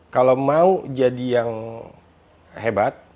kalau mau jadi yang hebat